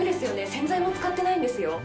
洗剤も使ってないんですよ。